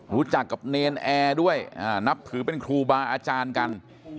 รู้จักกับเนรนแอร์ด้วยนับถือเป็นครูบาอาจารย์กัน